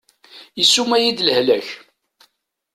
Isuma-yi-d lehlak.